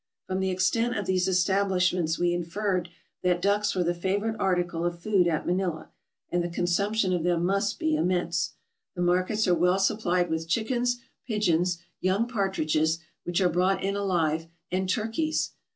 From the extent of these establish ments we inferred that ducks were the favorite article of food at Manila, and the consumption of them must be im mense. The markets are well supplied with chickens, pigeons, young partridges, which are brought in alive, and turkeys.